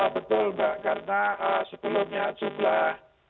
betul mbak karena sebelumnya jumlah